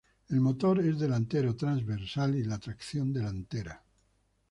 El motor es delantero transversal y la tracción delantera.